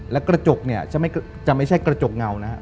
และกระจกจะไม่ใช่กระจกเงานะครับ